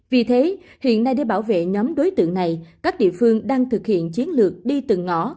vì thế hiện nay để bảo vệ nhóm đối tượng này các địa phương đang thực hiện chiến lược đi từng ngõ